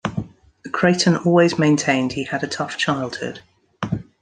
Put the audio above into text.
Creighton always maintained he had a tough childhood.